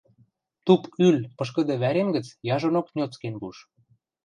Туп ӱл «пышкыды вӓрем» гӹц яжонок ньоцкен пуш.